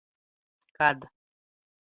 Kad